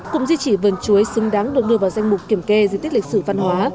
cụm di trị vườn chuối xứng đáng được đưa vào danh mục kiểm kê di tích lịch sử văn hóa